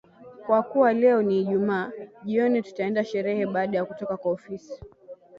Kwa kuwa leo ni ijumaa, jioni tutaenda sherehe baada ya kutoka kwa ofisi.